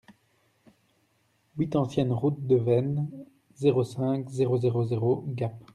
huit ancienne Route de Veynes, zéro cinq, zéro zéro zéro Gap